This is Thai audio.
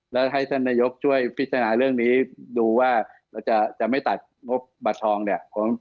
แล้วให้ท่านนายกช่วยพิจารณาเรื่องนี้ดูว่าเราจะไม่ตัดงบบัตรทองเนี่ย